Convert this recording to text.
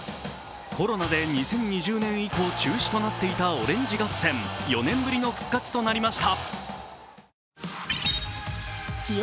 コロナで２０２０年以降中止となっていたオレンジ合戦、４年ぶりの復活となりました。